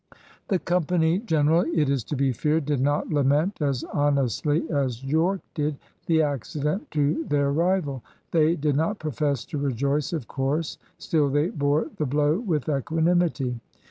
The company generally, it is to be feared, did not lament as honestly as Yorke did, the accident to their rival. They did not profess to rejoice, of course; still they bore the blow with equanimity.